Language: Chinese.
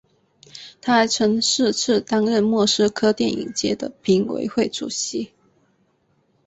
他还曾四次担任莫斯科电影节的评委会主席。